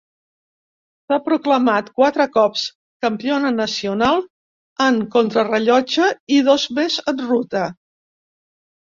S'ha proclamat quatre cops campiona nacional en contrarellotge i dos més en ruta.